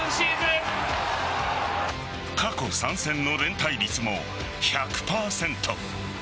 過去３戦の連対率も１００％。